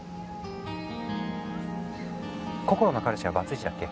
こころの彼氏はバツイチだっけ？